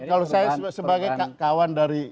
kalau saya sebagai kawan dari